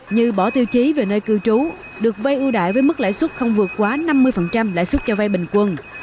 như bỏ tiêu chí về nơi cư trú được vay ưu đại với mức lãi suất không vượt quá năm mươi lãi suất cho vay bình quân